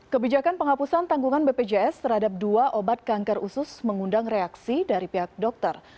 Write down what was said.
kebijakan penghapusan tanggungan bpjs terhadap dua obat kanker usus mengundang reaksi dari pihak dokter